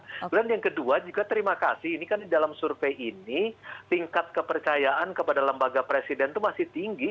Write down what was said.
kemudian yang kedua juga terima kasih ini kan di dalam survei ini tingkat kepercayaan kepada lembaga presiden itu masih tinggi